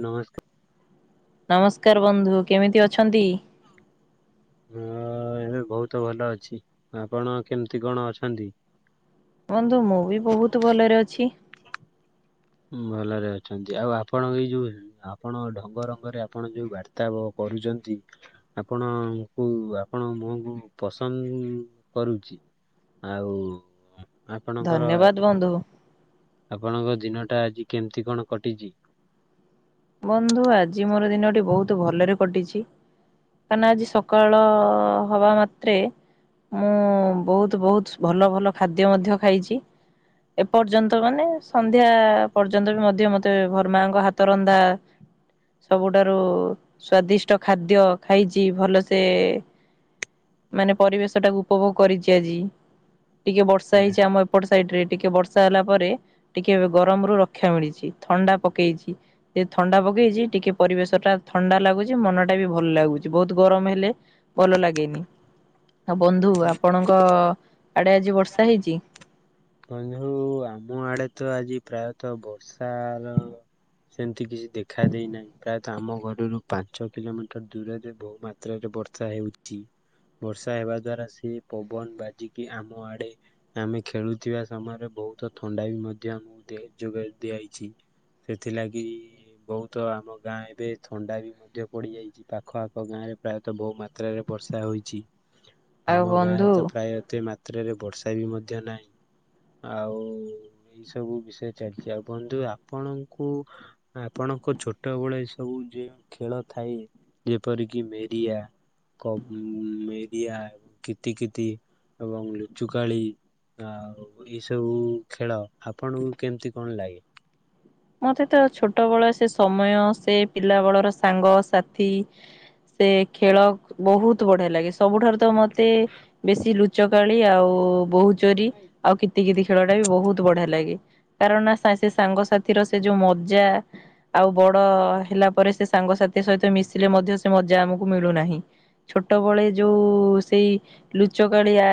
ନମସ୍କାୟ। ନମସ୍କାର ବନ୍ଧୁ କେମିତି ଅଛନ୍ତି? ଅ-ଅ ଏବେ ବହୁତ ଭଲ ଅଛି। ଆପଣ କେମିତି କଣ ଅଛନ୍ତି? ବନ୍ଧୁ ମୁଁ ବି ବହୁତ ଭଲରେ ଅଛି। ହଁ, ଭଲରେ ଅଛନ୍ତି। ଆଉ ଆପଣଙ୍କ ଏଇ ଯୋଉ ଆପଣ ଢଙ୍ଗରଙ୍ଗରେ ଆପଣ ଯୋଉ ବାର୍ତା କରୁଛନ୍ତି। ଆପଣଙ୍କୁ ଆପଣ ମୁହଁଙ୍କୁ ପସନ୍ଦ କରୁଛି। ଆଉ ଆପଣଙ୍କର ଧନ୍ୟବାଦ ବନ୍ଧୁ। ଆପଣଙ୍କ ଦିନ ଟା ଆଜି କେମିତି କଣ କଟିଛି? ବନ୍ଧୁ ଆଜି ମୋର ଦିନଟି ବହୁତ ଭଲରେ କଟିଛି। କାହିଁକିନା ଆଜି ସକାଳ ହବା ମାତ୍ରେ? ମୁଁ ବହୁତ ବହୁତ ଭଲ ଭଲ ଖାଦ୍ୟ ମଧ୍ୟ ଖାଇଛି। ଏପର୍ଯ୍ୟନ୍ତ ମାନେ ସନ୍ଧ୍ୟା ପର୍ଯ୍ୟନ୍ତ ବି ମଧ୍ୟ ମତେ ଭର ମାଙ୍କ ହାତ ରନ୍ଧା ସବୁଠାରୁ ସ୍ଵାଦିଷ୍ଟ ଖାଦ୍ୟ ଖାଇଛି ଭଲସେ। ମାନେ ପରିବେଶ ଟାକୁ ଉପଭୋଗ କରିଛି। ଆଜି ଟିକେ ବର୍ଷା ହେଇଛି ଆମ ଏପଟ ସାଇଡରେ ଟିକେ ବର୍ଷା ହେଲା ପରେ ଟିକେ ଏ ଗରମ ରୁ ରକ୍ଷା ମିଳିଛି ଥଣ୍ଡା ପକେଇଛି। ସେ ଥଣ୍ଡା ପକେଇଛି, ଟିକେ ପରିବେଶ ଟା ଥଣ୍ଡା ଲାଗୁଛି, ମନଟା ବି ଭଲ ଲାଗୁଛି, ବହୁତ ଗରମ ହେଲେ ଭଲ ଲାଗେନି। ଆଉ ବନ୍ଧୁ ଆପଣଙ୍କ ଆଡେ ଆଜି ବର୍ଷା ହେଇଛି। ବନ୍ଧୁ ଆମ ଆଡେ ତ ଆଜି ପ୍ରାୟତଃ ବର୍ଷା ସେମିତି କିଛି ଦେଖା ଦେଇନାହିଁ। ପ୍ରାୟତଃ ଆମ ଘରରୁ ପାଞ୍ଚ କିଲୋମିଟର ଦୂରରେ ବହୁ ମାତ୍ରାରେ ବର୍ଷା ହେଉଛି। ବର୍ଷା ହେବା ଦ୍ଵାରା ସେ ପବନ ବାଜିକି ଆମ ଆଡେ ଆମେ ଖେଳୁ ଥିବା ସମୟରେ ବହୁତ ଥଣ୍ଡା ବି ମଧ୍ୟ ଆମକୁ ଦିଏ ଯୋଗ ଦିଆଇଛି। ସେଥିଲାଗି ବହୁତ ଆମ ଗାଁରେ ଏବେ ଥଣ୍ଡା ବି ମଧ୍ୟ ପଡିଯାଇଛି, ପାଖ ଆଖ ଗାଁରେ ପ୍ରାୟତଃ ତ ବହୁ ମାତ୍ରାରେ ବର୍ଷା ହୋଇଛି। [inaudible] ଆମ ଗାଁରେ ବନ୍ଧୁ ତ ପ୍ରାୟ ଏତେ ମାତ୍ରାରେ ବର୍ଷା ବି ମଧ୍ୟ ନାହିଁ। ଆଉ ଏଇ ସବୁ ବିଷୟ ଚାଲିଛି, ଆଉ ବନ୍ଧୁ ଆପଣଙ୍କୁ। ଆପଣଙ୍କ ଛୋଟବେଳେ ଏ ସବୁ ଯଉ ଖେଳ ଥାଏ। ଯେପରିକି ମେରିଆ, ମେରିଆ ଏବଂ କୀର୍ତିକିତି ଏବଂ ଲୁଚୁକାଳି। ଆଉ ଏଇ ସବୁ ଖେଳ ଆପଣଙ୍କୁ କେମତି କଣ ଲାଗେ? ମତେ ତ ଛୋଟବେଳ ସେ ସମୟ ସେ ପିଲାବଳର ସାଙ୍ଗସାଥି। ସେ ଖେଳ ବହୁତ ବଢିଆ ଲାଗେ। ସବୁଠାରୁ ତ ମତେ ବେଶୀ ଲୁଚକାଳି ଆଉ ବହୁତ ଚୋରି ଆଉ କିତିିକିତି ଖେଳ ଟା ବି ବହୁତ ବଢିଆ ଲାଗେ। କାରଣ ସେ ସାଙ୍ଗସଥି ଥିର ସେ ଯୋଉ ମଜା ଆଉ ବଡ ହେଲା ପରେ ସେ ସାଙ୍ଗସାଥି ସହିତ ମିଶିଲେ ମଧ୍ୟ ସେ ମଜା ଆମକୁ ମିଳୁନାହିଁ। ଛୋଟବେଳେ ଯୋଉ ସେଇ ଲୁଚକାଳି ଆ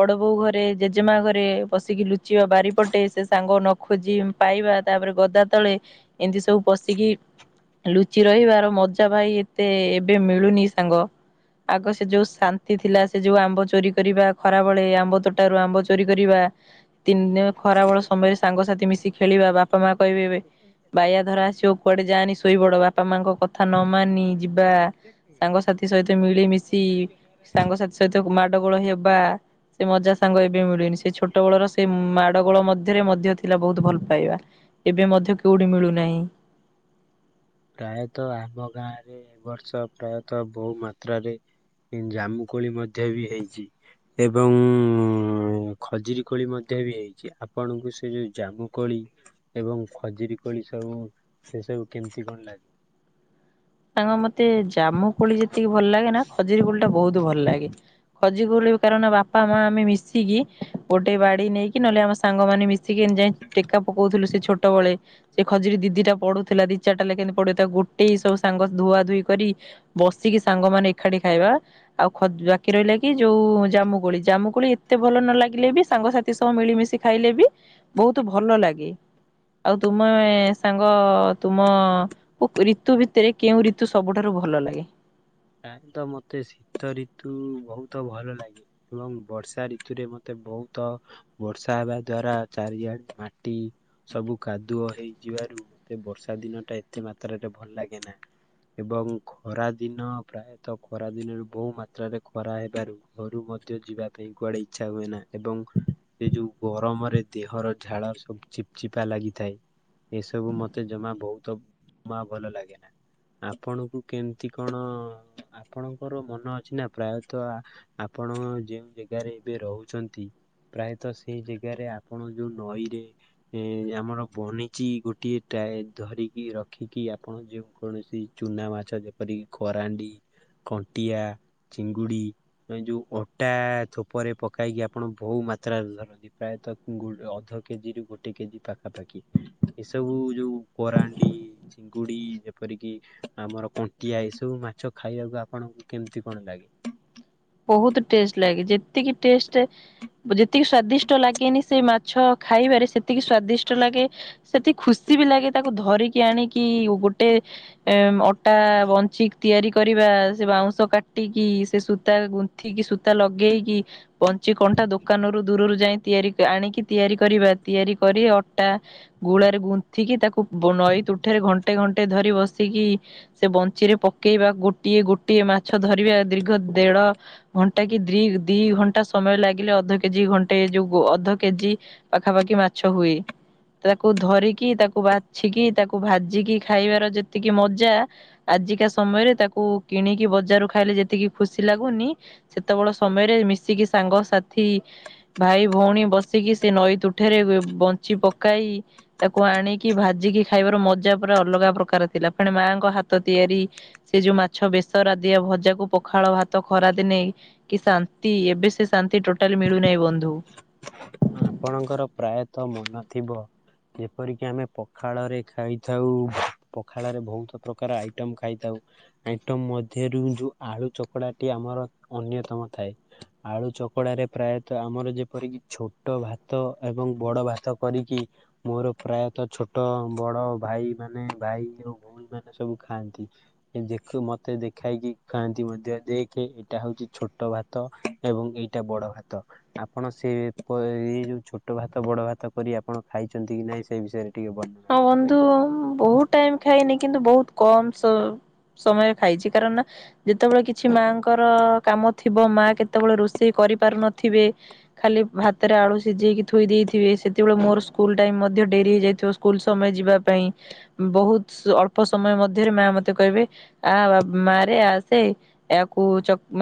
ବଡ ବୋଉ ଘରେ ଜେଜେମା ଘରେ ବସିକି ଲୁଚିବା ବାରି ପଟେ ସେ ସାଙ୍ଗ ନ ଖୋଜି ପାଇବା ତାପରେ ଗଦା ତଳେ ଏମିତି ସବୁ ପଶିକି ଲୁଚି ରହିବାର ମଜା ଭାଇ ଏତେ ଏବେ ମିଳୁନି ସାଙ୍ଗ। ଆଗ ସେ ଯୋଉ ଶାନ୍ତି ଥିଲା ସେ ଯୋଉ ଆମ୍ବ ଚୋରି କରିବା ଖରାବେଳେ ଆମ୍ବ ତୋଟାରୁ ଆମ୍ବ ଚୋରି କରିବା। ତିନି ଦିନ ଖରାବେଳ ସମୟରେ ସାଙ୍ଗସାଥି ମିଶିକି ବାପା ମା କହିବେ ଏବେ ବାଇଆ ଧର ଆସିବ କୁଆଡେ ଯାଆନି ଶୋଇପଡ ବାପ ବାପା ମାଆଙ୍କ କଥା ନ ମାନି ଯିବା। ସାଙ୍ଗସାଥି ସହିତ ମିଳିମିଶି ସାଙ୍ଗସାଥି ସହିତ ମା ମାଡ଼ ଗୋଳ ହେବା ସେ ମଜା ସାଙ୍ଗ ଏବେ ମିଳୁନି। ସେ ଛୋଟବେଳର ସେ ମାଡ ଗୋଳ ମଧ୍ୟରେ ମଧ୍ୟ ଥିଲା ବହୁତ ଭଲ ପାଇବା। ଏବେ ମଧ୍ୟ କେଉଠି ମିଳୁନାହିଁ। ପ୍ରାୟତଃ ଆମ ଗାଁରେ ଏ ବର୍ଷ ପ୍ରାୟତଃ ବହୁ ମାତ୍ରାରେ ଜାମୁକୋଳି ମଧ୍ୟ ବି ହେଇଛି। ଏବଂ ଖଜୁରି କୋଳି ମଧ୍ୟ ବି ହେଇଛି। ଆପଣଙ୍କୁ ସେ ଯେଉଁ ଜାମୁକୋଳି ଏବଂ ଖଜିରୀ କୋଳି ସବୁ ସେ ସବୁ କେମିତି କଣ ଲାଗେ? ସାଙ୍ଗ ମତେ ଜାମୁ କୋଳି ଯେତିକି ଭଲ ଲାଗେ ନା, ଖଜୁରୀ କୋଳି ଟା ବହୁତ ଭଲ ଲାଗେ। ଖଜ ଜି କୋଳି କାରଣ ବାପା ମା ଆମେ ମିଶିକି ଗୋଟେ ବାଡି ନେଇକି ନହେଲେ ଆମ ସାଙ୍ଗମାନେ ମିଶିକି ଏନ୍ତି ଯାଇ ଟେକା ପକଉଥିଲୁ ସେ ଛୋଟ ବେଳେ ସେ ଖଜୁରୀ ଦି ଦିଟା ପଡୁଥିଲା। ଦିଚାରଟା ଲେଖେ ଏମିତି ପଡିବ। ତାକୁ ଗୋଟେଇ ସବୁ ସାଙ୍ଗ ଧୁଆ ଧୋଇ କରି, ବସିକି ସାଙ୍ଗମାନେ ଏଖାଟି ଖାଇବା। ଆଉ ଖଦ ବାକି ରହିଲେ କି ଯୋଉ ଜାମୁ କୋଳି। ଜାମୁ କୋଳି ଏତେ ଭଲ ନ ଲାଗିଲେ ବି ସାଙ୍ଗସାତ ତି ସହ ମିଳିମିଶି ଖାଇଲେ ବି ବହୁତ ଭଲ ଲାଗେ। ଆଉ ତୁମେ ସାଙ୍ଗ ତୁମ ଓପ ରିତୁ ଫି ତିରେ କେଉଁ ରିତୁ ସବୁଠାରୁ ଭଲ ଲାଗେ? ଆଁ ତ ମତେ ଶୀତ ରିତୁ ବହୁତ ଭଲ ଲାଗେ। ଏବଂ ବର୍ଷା ରିତୁରେ ମତେ ବହୁତ୍ ବର୍ଷା ହେବା ଦ୍ଵାରା ଚାରିଆଡେ ମାଟି ସବୁ କାଦୁଅ ହେଇଯିବାରୁ ଏ ବର୍ଷା ଦିନ ଟା ଏତେ ମାତ୍ରାରେ ଭଲ ଲାଗେ ନା। ଏଵଂ ଖରା ଦିନ ପ୍ରାଏତଃ ଖରା ଦିନରୁ ବହୁ ମାତ୍ରାରେ ଖରା ହେବାରୁ ଘରୁ ମଧ୍ୟ ଯିବା ପାଇଁ କୁଆଡେ ଇଚ୍ଛା ହୁଏ ନା। ଏବଂ ସେ ଯୋଉ ଗରମରେ ଦେହର ଝାଳରେ ସବୁ ଚିପଚିପା ଲାଗିଥାଏ। ଏସବୁ ମତେ ଜମା ବହୁତ ଜମା ଭଲ ଲାଗେ ନା। ଆପଣଙ୍କୁ କେମିତି କଣ ଆପଣଙ୍କର ମନ ଅଛି ନା ପ୍ରାୟତଃ ଆ ଆପଣ ଯେଉଁ ଜାଗାରେ ଏବେ ରହୁଛନ୍ତି। ପ୍ରାୟତଃ ସେଇ ଜାଗାରେ ଆପଣ ଯୋଉ ନଈରେ ଏ ଆମର ବନିଚି ଗୋଟିଏ ଟାଏ ଧରିକି ରଖିକି ଆପଣ ଯେଉଁ କୌଣସି ଚୁନା ମାଛ ଯେପରିକି କରାଣ୍ଡି କଣ୍ଟିଆ ଚିଙ୍ଗୁଡି ଏଇ ଯୋଉ ଅଟା ଥୋପରେ ପକାଇକି ଆପଣ ବହୁ ମାତ୍ରାରେ ଧରନ୍ତି। ଇ ପ୍ରାୟତଃ ଉ ଗୋଡ ଅଧ କେଜିରୁ ଗୋଟେ କେଜି ପାଖାପାଖି। ଏସବୁ ଯୋଉ କରାଣ୍ଡି ଚିଙ୍ଗୁଡ଼ି ଯେପରିକି ଆମର କଣ୍ଟିଆ ଏସବୁ ମାଛ ଖାଇବାକୁ ଆପଣଙ୍କୁ କେମିତି କଣ ଲାଗେ? ବହୁତ ଟେଷ୍ଟ ଲାଗେ। ଯେତିକି ଟେଷ୍ଟେ ବ ଯେତିକି ସ୍ଵାଦିଷ୍ଟ ଲାଗେନି ସେ ମାଛ ଖାଇବାରେ। ସେତିକି ସ୍ଵାଦିଷ୍ଟ ଲାଗେ ସେତିକି ଖୁସି ବି ଲାଗେ ତାକୁ ଧରିକି ଆଣିକି ଗୋଟେ ଏମ ଅଟା ବଞ୍ଚିକ ତିଆରି କରିବା, ସେ ବାଉଁଶ କାଟିକି, ସେ ସୁ ତା ଗୁନ୍ଥିକି ସୂତା ଲଗେଇକି ପଞ୍ଚି କଣ୍ଟା ଦୋକାନରୁ ଦୂରରୁ ଯାଇ ତିଆରି ଆଣିକି ତିଆରି କରିବା। ତିଆରି କରି ଅଟା ଗୁଳାରେ ଗୁନ୍ଥିକି ତାକୁ ବ ନଈ ତୁଠରେ ଘଣ୍ଟେ-ଘଣ୍ଟେ ଧରି ବସିକି ସେ ବଞ୍ଚିରେ ପକେଇବା। ଗୋଟିଏ-ଗୋଟିଏ ମାଛ ଧରିବା। ଦୀର୍ଘ ଦେଢ଼ ଘଣ୍ଟା କି ଦ୍ରି ଦି ଘଣ୍ଟା ସମୟ ଲାଗିଲେ ଅଧ କେଜି ଘଣ୍ଟେ ଯୋଉ ଗୋ ଅଧ କେଜି ପାଖାପାଖି ମାଛ ହୁଏ। ତାକୁ ଧରିକି ତାକୁ ବାଛିକି ତାକୁ ଭାଜିକି ଖାଇବାର ଯେତିକି ମଜା। ଆଜିକା ସମୟରେ ତାକୁ କିଣିକି ବଜାରୁ ଖାଇଲେ ଯେତିକି ଖୁସି ଲାଗୁନି, ସେତେବେଳ ସମୟରେ ମିଶିକି ସାଙ୍ଗସାଥୀ ଭାଇ ଭଉଣୀ ବସିକି, ସେ ନଈ ତୁଠରେ ବେ ବଞ୍ଚି ପକାଇ ତାକୁ ଆଣିକି ଭାଜିକି ଖାଇବାର ମଜା ପୁରା ଅଲଗା ପ୍ରକାର ଥିଲା, ପୁଣି ମାଙ୍କ ହାତ ତିଆରି। ସେ ଯୋଉ ମାଛ ବେସରା ଦିଆ ଭଜାକୁ ପଖାଳ ଭାତ ଖରାଦିନେ କି ଶାନ୍ତି। ଏବେ ସେ ଶାନ୍ତି ଟୋଟାଲି ମିଳୁନାହିଁ ବନ୍ଧୁ। ଅ ଆପଣଙ୍କର ପ୍ରାୟତଃ ମନ ଥିବ, ଯେପରିକି ଆମେ ପଖାଳରେ ଖାଇଥାଉ। ପଖାଳରେ ବହୁତ ପ୍ରକାର ଆଇଟମ ଖାଇଥାଉ। ଆଇଟମ ମଧ୍ୟରୁ ଯୋଉ ଆଳୁ ଚକୁଡ଼ା ଟି ଆମର ଅନ୍ୟତମ ଥାଏ। ଆଳୁ ଚକୁଡ଼ାରେ ପ୍ରାୟେତଃ ଆମର ଯେପରିକି ଛୋଟ ଭାତ ଏବଂ ବଡ଼ ଭାତ କରିକି, ମୋର ପ୍ରାୟତଃ ଛୋଟ ବଡ଼ ଭାଇ ମାନେ ଭାଇ ଭଉଣୀ ଭଉଣୀ ମାନେ ସବୁ ଖାଆନ୍ତି। ଦେଖ ମତେ ଦେଖାଇକି ଖଆନ୍ତି ମଧ୍ୟ ଦେଖେ, ଏଇଟା ହଉଛି ଛୋଟ ଭାତ ଭାତ ଏବଂ ଏଇଟା ବଡ଼ ଭାତ ଆପଣ ସେ ବ ଏଇ ଯୋଉ ଛୋଟ ଭାତ ବଡ଼ ଭାତ କରି ଆପଣ ଖାଇଛନ୍ତି କି ନାହିଁ ସେଇ ବିଷୟରେ ଟିକେ ବର୍ଣ୍ଣନା ହଁ କରି ବନ୍ଧୁ କହିବେ। ବହୁତ ଟାଇମ ଖାଇନି କିନ୍ତୁ ବହୁତ କମ ସ ସମୟ ଖାଇଛି। କାରଣ ନା ଯେତେବେଳେ କିଛି ମାଙ୍କର କାମ ଥିବ ମା କେତେବେଳେ ରୋଷେଇ କରିପାରୁନଥିବେ। ଖାଲି ଭାତରେ ଆଳୁ ସିଝେଇକି ଥୋଇ ଦେଇଥିବେ। ସେତେବେଳେ ମୋର ସ୍କୁଲ ଟାଇମ୍ ମଧ୍ୟ ଡେରି ହେଇଯାଇଥିବ ସ୍କୁଲ ସମୟ ଯିବା ପାଇଁ। ବହୁତ ଅଳ୍ପ ସମୟ ମଧ୍ୟରେ ମା ମତେ କହିବେ ଆ ବା ମାରେ ଆସେ ଏହାୟକୁ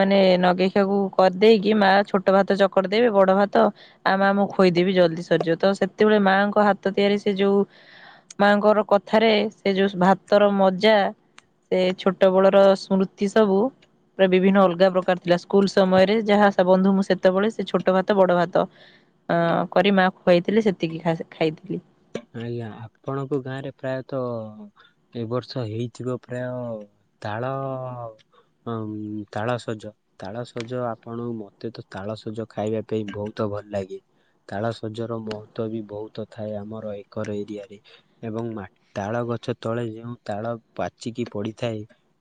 ମାନେ ନଗେଇଖଆକୁ କରିଦେଇକି ମା ଛୋଟ ଭାତ ଚକଡ଼ି ଦେବେ ବଡ଼ ଭାତ। ଆ ମା ମୁଁ ଖୋଇଦେବି ଜଲଦି ସରିଯିବ ତ ସେତେବେଳେ ମାଆଙ୍କ ହାତ ତିଆରି ସେ ଯୋଉ ମାଙ୍କର କଥାରେ ସେ ଯେଉ ଭାତର ମଜା। ସେ ଛୋଟ ବେଳର ସ୍ମୃତି ସବୁ ବିଭିନ୍ନ ଅଲଗା ପ୍ରକାର ଥିଲା ସ୍କୁଲ ସମୟରେ ଯାହା ଆଶା ବନ୍ଧୁ ମୁଁ ସେତେବେଳେ ସେ ଛୋଟ ଭାତ ବଡ଼ ଭାତ। ଅ କରି ମାଆ ଖୁଆଇଥିଲେ ସେତିକି ଖା ଖାଇଥିଲି। ଆଜ୍ଞା ଆପଣଙ୍କ ଗାଁରେ ପ୍ରାୟତଃ ଏ ବର୍ଷ ହେଇଥିବ ପପ୍ରାୟତଃ ତାଳ ହଁ ତାଳସଜ। ତାଳସଜ ଆପଣଙ୍କୁ ମତେ ତ ତାଳସଜ ଖାଇବା ପାଇଁ ବହୁତ ଭଲ ଲାଗେ। ତାଳ ଶଜ ର ମହତ୍ଵ ବି ବହୁତ ଥାଏ ଆମର ଏକର ଏରିଆ ରେ। ଏବଂ ତାଳ ଗଛ ତଳେ ଯେଉଁ ତାଳ ପାଚିକି ପଡିଥାଏ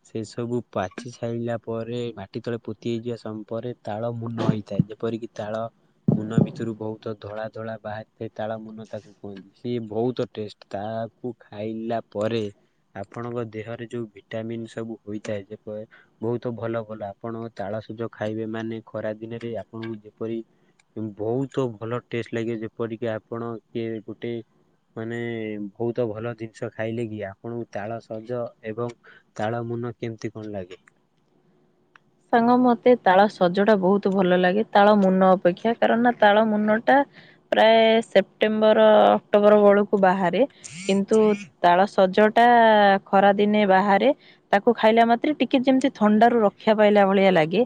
ସେ ସବୁ ପାଚି ସାଇିଲା ପରେ ମାଟି ତଳେ ପୋତି ହେଇଯିବା ସମୟ ପରେ ତାଳ ମୁନ ହେଇଥାଏ ଯେପରିକି ତାଳ ମୁନ ଭିତରୁ ବହୁତ ଧଳା ଧଳା ବାହାରିଥାଏ ତାଳ ମୁନ ତାକୁ କୁହନ୍ତି। ସିଏ ବହୁତ ଟେଷ୍ଟ ତାକୁ ଖାଇଲା ପରେ ଆପଣଙ୍କ ଦେହରେ ଯୋଉ ଭିଟାମିିନ ସବୁ ହୋଇଥାଏ ଯେପ ବହୁତ ଭଲ ଭଲ ଆପଣ ତାଳସଜ ଖାଇବେ ମାନେ ଖରା ଦିନରେ ଆପଣଙ୍କୁ ଯେପରି ବହୁତ ଭଲ ଟେଷ୍ଟ ଲାଗେ ଯେପରିକି ଆପଣ କିଏ ଗୋଟେ ମାନେ ବହୁତ ଭଲ ଜିନିଷ ଖାଇଲେ କି ଆପଣଙ୍କୁ ତାଳ ସଜ ଏବଂ ତାଳ ମୁନ କେମିତି କଣ ଲାଗେ? ସାଙ୍ଗ ମୋତେ ତାଳ ସଜଟା ବହୁତ ଭଲ ଲାଗେ ତାଳ ମୁନ ଅପେକ୍ଷା କାରଣ ତାଳ ମୁନ ଟା ପ୍ରାୟ ସେପ୍ଟେମ୍ବର ଅକ୍ଟୋବର ବେଳକୁ ବାହାରେ। କିନ୍ତୁ ତାଳ ସଜ ଟା ଖରା ଦିନେ ବାହାରେ ତାକୁ ଖାଇଲା ମାତ୍ରେ ଟିକେ ଯେମିତି ଥଣ୍ଡା ର କ୍ଷା ପାଇଲା ଭଳିଆ ଲାଗେ।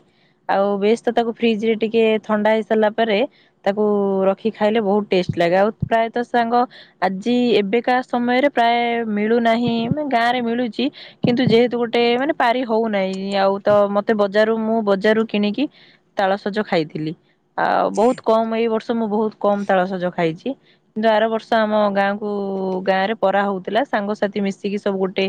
ଆଉ ବେଶ ତ ତାକୁ ଫ୍ରିଜ ରେ ଟିକେ ଥଣ୍ଡା ହେଇ ସାରିଲା ପରେ ତାକୁ ର ରଖି ଖାଇଲେ ବହୁତ ଟେଷ୍ଟ ଲାଗେ ଆଉ ପ୍ରାୟତଃ ସାଙ୍ଗ ଆଜି ଏବେକା ସମୟରେ ପ୍ରାୟ ମିଳୁନାହିଁ ମାନେ ଗାଁ ରେ ମିଳୁଚି। କିନ୍ତୁ ଯେହେତୁ ଗୋଟେ ମାନେ ପାରି ହଉନାହିଁ ଆଉ ତ ମତେ ଜାରୁ ମୁଁ ବଜାରରୁ କିଣିକି ତାଳସଜ ଖାଇଥିଲି। ଆଉ ବହୁତ କମ ଏଇ ବର୍ଷ ମୁଁ ବହୁତ କମ ତାଳସଜ ଖାଇଚି। କିନ୍ତୁ ଆର ବର୍ଷ ଆମ ଗାଁ କୁ ଗାଁରେ ପରା ହଉଥିଲା। ସାଙ୍ଗସାଥି ମିଶିକି ସବୁ ଗୋଟେ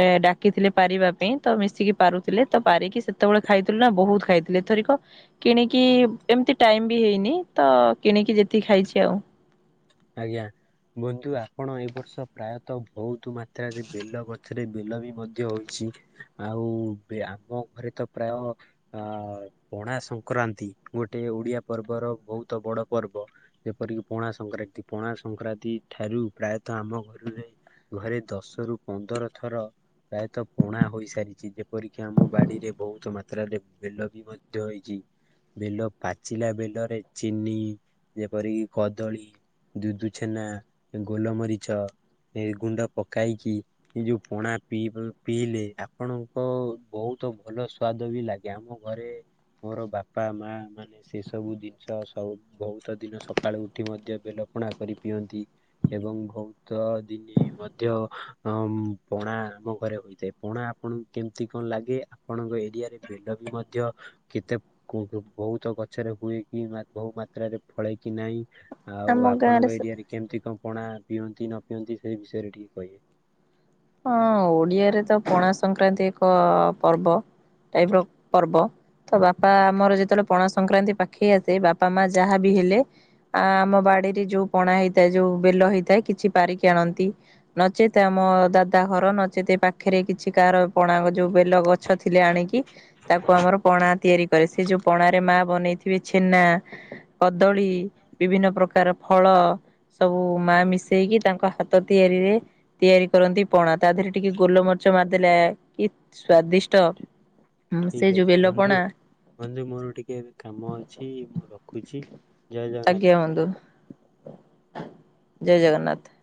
ଏ ଡାକିଥିଲେ ପାରିବା ପାଇଁ ତ ମିଶିକି ପାରୁଥିଲେ। ତ ପାରିକି ସେତେବେଳେ ଖାଇଥିଲୁ ନା ବହୁତ ଖାଇଥିଲି ଏଥରିକ କିଣିକି ଏମିତି ଟାଇମ୍ ବି ହେଇନି। ତ କିଣିକି ଯେତିକି ଖାଇଚି ଆଉ। ଆଜ୍ଞା। ବନ୍ଧୁ ଆପଣ ଏ ବର୍ଷ ପ୍ରାୟତଃ ବହୁତ ମାତ୍ରାରେ ବେଲ ଗଛରେ ବେଲ ବି ମଧ୍ୟ ହୋଇଚି। ଆଉ ବି ଆପଣଙ୍କ ଘରେ ତ ପ୍ରାୟ ଅ ପଣା ସଂକ୍ରାନ୍ତି ଗୋଟେ ଓଡିଆ ପର୍ବର ବହୁତ ବଡ ପର୍ବ। ଯେପରିକି ପଣା ସଂକ୍ରାନ୍ତି, ପଣା ସଂକ୍ରାନ୍ତି ଠାରୁ ପ୍ରାୟତଃ ଆମ ଘରୁ ରେ ଘରେ ଦଶରୁ ପନ୍ଦର ଥର ପ୍ରାୟତଃ ପଣା ହୋଇସାରିଚି। ଯେପରିକି ଆମ ବାଡିରେ ବହୁତ ମାତ୍ରାରେ ବେଲ ବି ମଧ୍ୟ ହୋଇଚି। ବେଲ ପାଚିଲା ବେଲରେ ଚିନି ଯେପରିକି କଦଳୀ ଦିଦୁ ଛେନା ଗୋଲମରିଚ ଏ ଗୁଣ୍ଡ ପକାଇକି ଏଇ ଯୋଉ ପଣା ପିଇବ ପିଇଲେ ଆପଣଙ୍କ ବହୁତ ଭଲ ସ୍ଵାଦ ବି ଲାଗେ। ଆମ ଘରେ ମୋର ବାପା ମା ମାନେ ସେ ସବୁ ଜିନିଷ ସବୁ ବହୁତ ଦିନ ସକାଳୁ ଉଠି ମଧ୍ୟ ବେଲପଣା କରି ପିଅନ୍ତି। ଏବଂ ବହୁତ ଦିନ ମଧ୍ୟ ଅ ପଣା ଆମ ଘରେ ହୋଇଥାଏ। ପଣା ଆପଣଙ୍କୁ କେମତି କଣ ଲାଗେ? ଆପଣଙ୍କ ଏରିଆରେ ବେଲ ବି ମଧ୍ୟ କେତେ ବହୁ ବହୁତ ଗଛରେ ହୁଏ କି ବହୁ ମାତ୍ରାରେ ଫଳେ କିି ନାହିଁ ଆମ ଆଉ ଆ ଗାଁରେ ଆରେ କେମିତି କଣ ପଣା ପିଅନ୍ତି ନ ପିଅନ୍ତି ସେଇ ବିଷୟରେ ଟିକେ କହିବେ। ହଁ ଓଡ଼ିଆରେ ତ ପଣା ସଂକ୍ରାନ୍ତି ଏକ ପର୍ବ। ଟାଇପ୍ ର ପର୍ବ। ତ ବାପା ଆମର ଯେତେବେଳେ ପଣା ସଂକ୍ରାନ୍ତି ପାଖେଇ ଆସେ ବାପା ମା ଯାହା ବିି ହେଲେ ଆ ଆମ ବାଡିରେ ଯୋଉ ପଣା ହେଇଥାଏ ଯୋଉ ବେଲ ହେଇଥାଏ କିଛି ପାରିକି ଆଣନ୍ତି। ନଚେତ୍ ଆମ ଦାଦା ଘର ନଚେତ୍ ଏ ପାଖେରେ କିଛି କାହାର ପଣା ର ଯୋଉ ବେଲ ଗଛ ଥିଲେ ଆଣିକି ତାକୁ ଆମର ପଣା ତିଆରି କରେ, ସେ ଯୋଉ ପଣାରେ ମା ବନେଇଥିବେ ଛେନା କଦଳୀ ବିଭିନ୍ନ ପ୍ରକାର ଫଳ ସବୁ ମା ମିଶେଇକି ତାଙ୍କ ହାତ ତିଆରିରେ ତିଆରି କରନ୍ତି ପଣା ତା ଧେରେ ଟିକେ ଗୋଲମରିଚ ମାରିଦେଲେ କି ସ୍ଵାଦିଷ୍ଟ। ହୁଁ ସେ ଠିକ ଯୋଉ ଅଛି ବନ୍ଧୁ ବେଲପଣା ବନ୍ଧୁ ମୋର ଟିକେ ଏବେ କାମ ଅଛି ମୁଁ ରଖୁଚି। ଆଜ୍ଞା ବନ୍ଧୁ ଜୟ ଜଗନ୍ନାଥ।